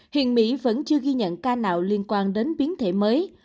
hiện mỹ vẫn chưa ghi nhận ca nào liên quan đến biến thể mới